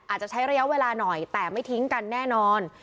อาจจะใช้ระยะเวลาหน่อยแต่ไม่ทิ้งกันแน่นอน